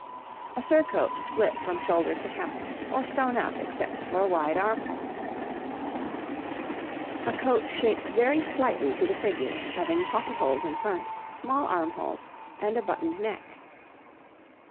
A surcoat split from shoulder to hem, or sewn up except for a wide armhole. A coat shaped very slightly to the figure, having pocket holes in front, small armholes, and a buttoned neck.